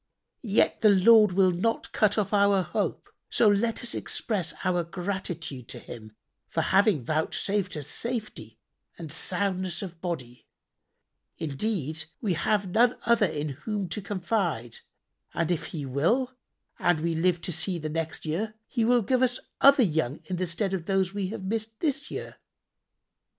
Yet the Lord will not cut off our hope; so let us express our gratitude to Him for having vouchsafed us safety and soundness of body: indeed, we have none other in whom to confide, and if He will and we live to see the next year, He shall give us other young in the stead of those we have missed this year."